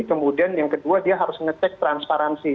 kemudian yang kedua dia harus ngecek transparansi